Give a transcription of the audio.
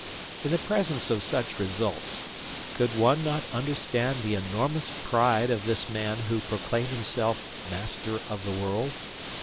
In the presence of such results, could one not understand the enormous pride of this man who proclaimed himself Master of the World?